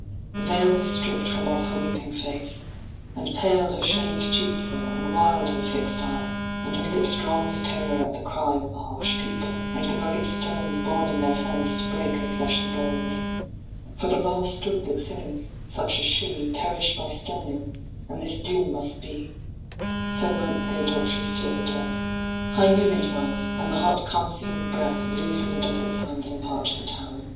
The veil Was stripped from off her weeping face, and pale Her shamed cheeks were, and wild her fixed eye, And her lips drawn with terror at the cry Of the harsh people, and the rugged stones Borne in their hands to break her flesh and bones; For the law stood that sinners such as she Perish by stoning, and this doom must be; So went the adult'ress to her death. High noon it was, and the hot Khamseen's breath Blew from the desert sands and parched the town.